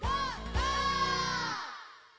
ゴー！」